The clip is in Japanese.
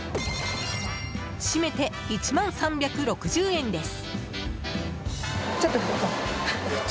しめて１万３６０円です。